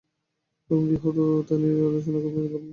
তখন কী হতো তা নিয়ে এখন আর আলোচনা করে লাভ নেই।